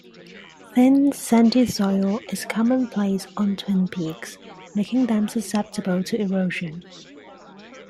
Thin, sandy soil is commonplace on Twin Peaks, making them susceptible to erosion.